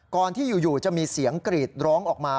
ก่อนที่อยู่จะมีเสียงกรีดร้องออกมา